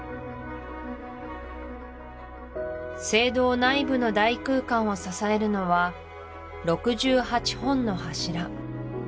聖堂内部の大空間を支えるのは６８本の柱